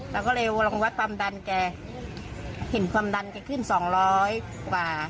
เราก็เลยลองวัดความดันแกเห็นความดันแกขึ้นสองร้อยกว่า